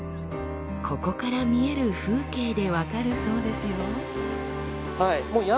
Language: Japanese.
ここから見える風景で分かるそうですよ。